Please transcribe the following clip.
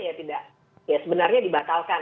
ya tidak ya sebenarnya dibatalkan